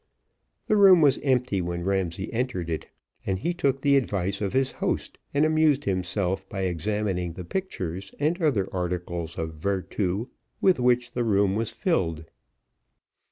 The room was empty when Ramsay entered it, and he took the advice of his host, and amused himself by examining the pictures, and other articles of virtu, with which the room was filled.